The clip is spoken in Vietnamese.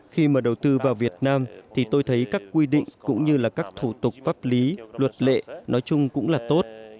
khi mà đầu tư vào việt nam thì tôi thấy các quy định cũng như là các thủ tục pháp lý luật lệ nói chung cũng là tốt